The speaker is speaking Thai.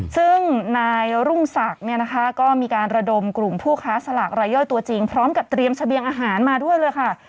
ซึ่งนายรุ่งศักดิ์เนี่ยนะคะก็มีการระดมกลุ่มผู้ค้าสลากรายย่อยตัวจริงพร้อมกับเตรียมเสบียงอาหารมาด้วยเลยค่ะ